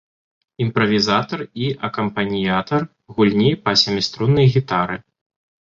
Імправізатар і акампаніятар гульні на сяміструннай гітары.